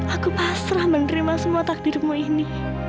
aku pasrah menerima semua takdirmu ini